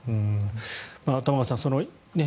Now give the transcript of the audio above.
玉川さん